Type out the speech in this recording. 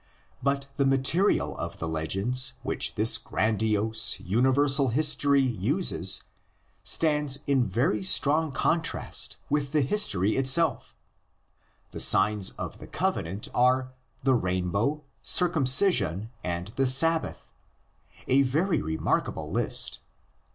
But the material of the legends which this grandiose uni versal history uses stands in very strong contrast with the history itself: the signs of the Covenant are a rainbow, circumcision and the Sabbath, a very remarkable list!